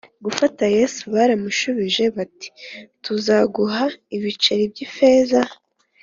gufata Yesu Baramushubije bati tuzaguha ibiceri byi ifeza